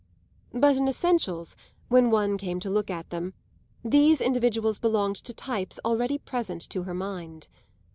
But in essentials, when one came to look at them, these individuals belonged to types already present to her mind.